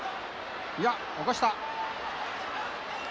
いや、起こした。